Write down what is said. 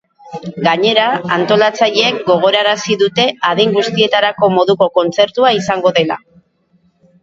Gainera, antolatzaileek gogorarazi dute adin guztietarako moduko kontzertua izango dela.